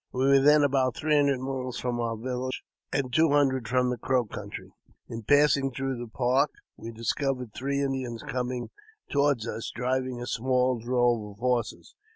We were then about three hundred miles from our village, and two hundred from the Crow country. In passing through the Park '•' we discovered three Indians coming toward us, driving a small drove of horses.